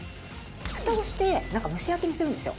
「ふたをして蒸し焼きにするんですよ」